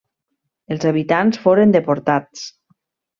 Els habitants foren deportats.